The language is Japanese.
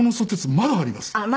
まだあります？